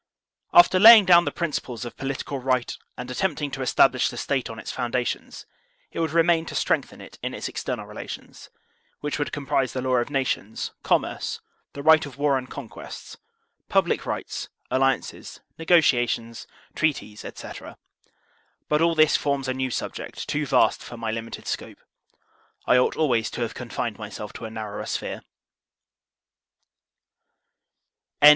After laying down the principles of political right and attempting to establish the State on its foundations, it would remain to strengthen it in its external relations; which would comprise the law of nations, commerce, the right of war and conquests, public rights, alliances, nego tiations, treaties, etc. But all this forms a new subject too vast for my limited scope. I ought always to have confined myself to a narrower sphere.